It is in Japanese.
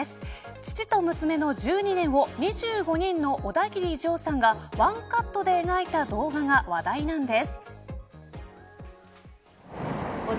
父と娘の１２年を２５人のオダギリジョーさんがワンカットで描いた動画が話題なんです。